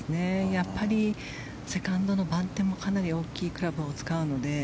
やっぱりセカンドの番手もかなり大きいクラブを使うので。